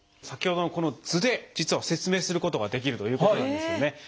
先ほどのこの図で実は説明することができるということなんですよね。